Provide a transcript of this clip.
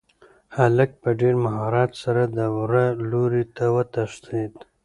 هلک په ډېر مهارت سره د وره لوري ته وتښتېد.